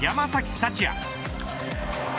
福也。